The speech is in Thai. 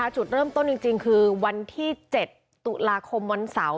จุดเริ่มต้นจริงคือวันที่๗ตุลาคมวันเสาร์